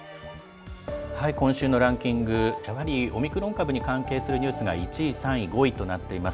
今週のランキング、やはりオミクロン株に関係するニュースが１位、３位、５位となっています。